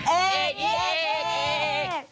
เอกเอกเอกเอก